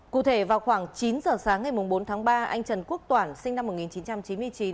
cụ thể vào khoảng chín giờ sáng ngày bốn tháng ba anh trần quốc toản sinh năm một nghìn chín trăm chín mươi chín